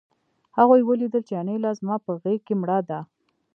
هغوی ولیدل چې انیلا زما په غېږ کې مړه ده